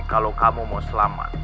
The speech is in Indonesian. kalo kamu mau selamat